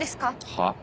はっ？